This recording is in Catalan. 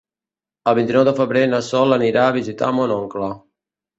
El vint-i-nou de febrer na Sol anirà a visitar mon oncle.